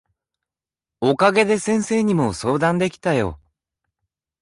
お陰で先生にも相談できたよ。